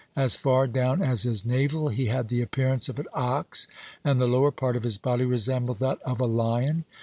As far down as his navel he had the appearance of an ox, and the lower part of his body resembled that of a lion.